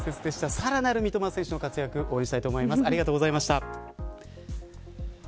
さらなる三笘選手の活躍を応援したいと思います。